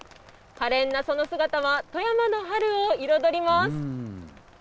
かれんなその姿は、富山の春を彩ります。